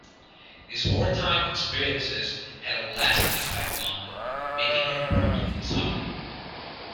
His wartime experiences had a lasting effect on him, making him prone to insomnia.